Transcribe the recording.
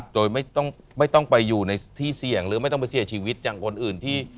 โดยไม่ต้องไปอยู่ในที่เสี่ยงหรือไม่ต้องไปเสียชีวิตอย่างคนอื่นที่